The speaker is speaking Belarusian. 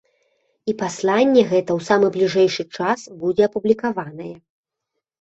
І пасланне гэта ў самы бліжэйшы час будзе апублікаванае.